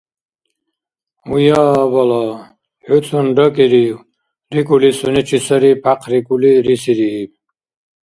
– Гьуя, абала, хӀуцун ракӀирив! – рикӀули сунечи сари пяхърикӀули, рисирииб.